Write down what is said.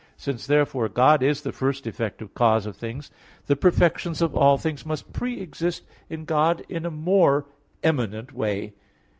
Since therefore God is the first effective cause of things, the perfections of all things must pre exist in God in a more eminent way.